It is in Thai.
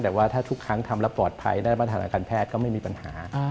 แต่ว่าถ้าทุกครั้งทำแล้วปลอดภัยได้มาตรฐานทางการแพทย์ก็ไม่มีปัญหา